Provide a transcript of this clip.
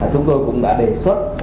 chúng tôi cũng đã đề xuất